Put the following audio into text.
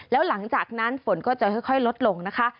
แล้วหลังจากนั้นฝนก็จะค่อยลดลงนะคะ